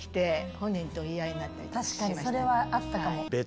確かにそれはあったかも。